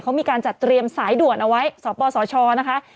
เขามีการจัดเตรียมสายด่วนเอาไว้สปสชนะคะ